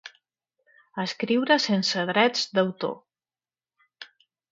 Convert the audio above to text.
Escriure sense drets d'autor.